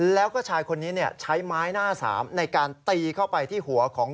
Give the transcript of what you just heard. แล้วก็ชายคนนี้ใช้ไม้หน้าสามในการตีเข้าไปที่หัวของ